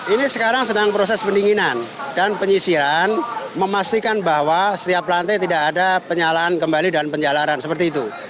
ini sekarang sedang proses pendinginan dan penyisiran memastikan bahwa setiap lantai tidak ada penyalaan kembali dan penyalaran seperti itu